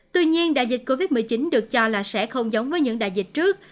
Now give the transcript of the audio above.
tuy nhiên đại dịch covid một mươi chín được cho là sẽ không giống với những đại dịch trước